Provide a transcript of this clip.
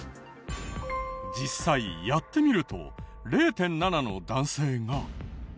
実際やってみると０．７の男性が。